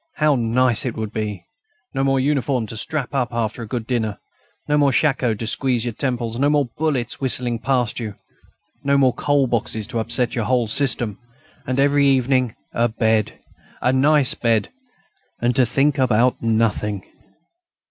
How nice it would be! No more uniform to strap you up after a good dinner; no more shako to squeeze your temples; no more bullets whistling past you; no more 'coal boxes' to upset your whole system, and every evening a bed, ... a nice bed, ... and to think about nothing!..."